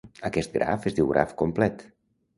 Aquest graf es diu graf complet.